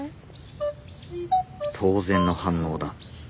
当然の反応だ。